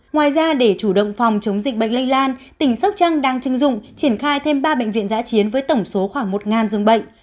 ngoài ra để chủ động phòng chống dịch bệnh lây lan tỉnh sóc trăng đang chưng dụng triển khai thêm ba bệnh viện giã chiến với tổng số khoảng một dường bệnh